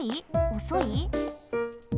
おそい？